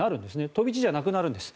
飛び地じゃなくなるんです。